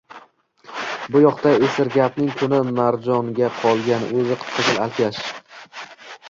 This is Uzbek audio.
Bu yoqda Esirgapding kuni Marjong‘a qolg‘an, o‘zi qip-qizil alkash